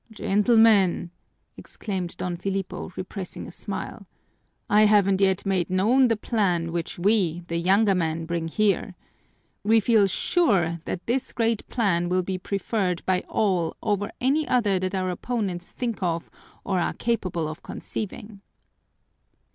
"Gentlemen!" exclaimed Don Filipo, repressing a smile, "I haven't yet made known the plan which we, the younger men, bring here. We feel sure that this great plan will be preferred by all over any other that our opponents think of or are capable of conceiving."